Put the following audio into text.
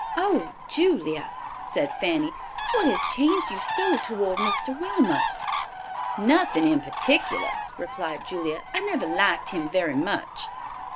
"Oh, Julia," said Fanny, "what has changed you so toward Mr. Wilmot?" "Nothing in particular," replied Julia. "I never liked him very much."